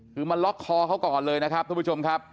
คือมาล็อกคอเขาก่อนเลยนะครับทุกผู้ชมครับ